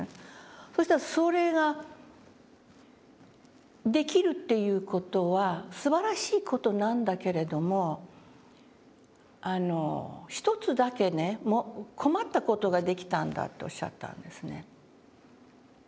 そうしたら「それができるという事はすばらしい事なんだけれども一つだけね困った事ができたんだ」っておっしゃったんですね。